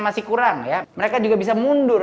masih kurang ya mereka juga bisa mundur